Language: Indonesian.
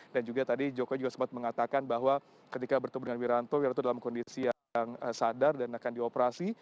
dan juga tadi jokowi juga sempat mengatakan bahwa ketika bertemu dengan wiranto wiranto dalam kondisi yang sadar dan akan dioperasi